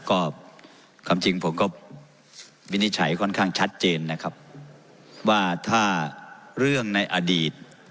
ก็ความจริงผมก็วินิจฉัยค่อนข้างชัดเจนนะครับว่าถ้าเรื่องในอดีต